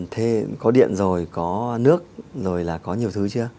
thế có điện rồi có nước rồi là có nhiều thứ chưa